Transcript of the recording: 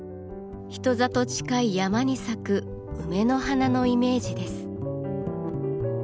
人里近い山に咲く梅の花のイメージです。